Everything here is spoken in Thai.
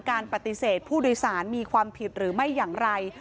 การปฏิเสธผู้โดยสารมีความผิดหรือไม่อย่างไร